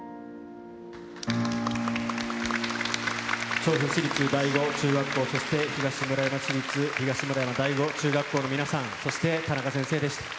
調布市立第五中学校、そして東村山市立東村山第五中学校の皆さん、そして田中先生でした。